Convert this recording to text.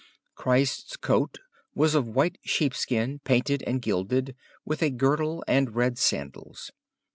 Christ's coat was of white sheep skin, painted and gilded, with a girdle and red sandals.